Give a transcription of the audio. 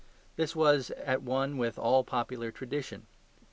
This was at one with all popular tradition.